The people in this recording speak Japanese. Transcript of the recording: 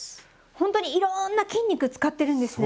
ほんとにいろんな筋肉使ってるんですね。